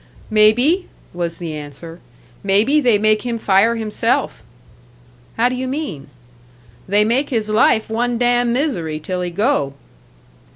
"Maybe!" was the answer. "Maybe they make him fire himself." "How do you mean?" "They make his life one damn misery till he go."